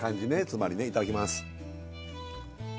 つまりねいただきます